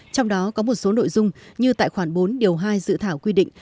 trong đó có một số nội dung như tại khoản bốn điều hai dự thảo quy định